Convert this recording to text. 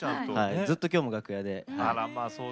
ずっと、きょうも楽屋で。